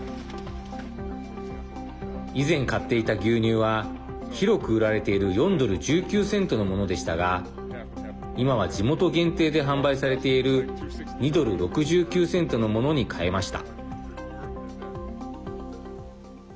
以前、買っていた牛乳は広く売られている４ドル１９セントのものでしたが今は地元限定で販売されている２ドル６９セントのものに替えました。